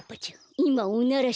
いまおならしたね。